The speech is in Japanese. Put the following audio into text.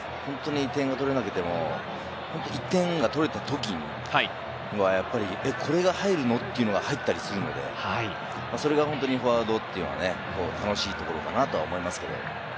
点が取れなくても１点が取れたときには、これが入るの？っていうのが入ったりするので、それが本当にフォワードというのは楽しいところかなと思います。